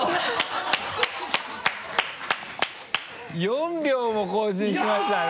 ４秒も更新しましたね。